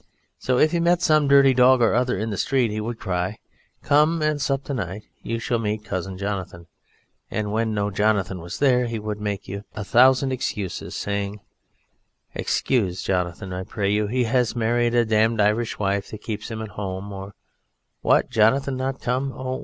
So if he met some dirty dog or other in the street he would cry, "Come and sup to night, you shall meet Cousin Jonathan!" and when no Jonathan was there he would make a thousand excuses saying, "Excuse Jonathan, I pray you, he has married a damned Irish wife that keeps him at home"; or, "What! Jonathan not come?